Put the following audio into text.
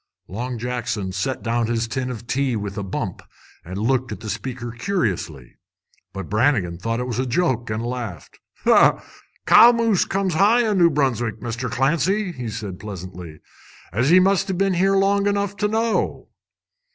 Long Jackson set down his tin of tea with a bump and looked at the speaker curiously. But Brannigan thought it was a joke, and laughed. "Cow moose comes high in New Brunswick, Mr. Clancy," said he pleasantly, "as ye must a' been here long enough to know."